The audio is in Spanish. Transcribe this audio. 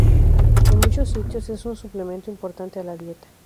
En muchos sitios es un suplemento importante a la dieta.